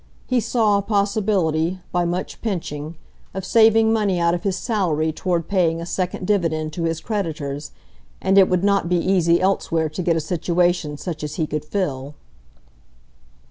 He saw a possibility, by much pinching, of saving money out of his salary toward paying a second dividend to his creditors, and it would not be easy elsewhere to get a situation such as he could fill.